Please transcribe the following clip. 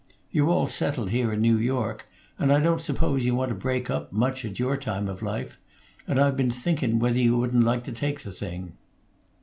You're all settled here in New York, and I don't suppose you want to break up, much, at your time of life, and I've been thinkin' whether you wouldn't like to take the thing."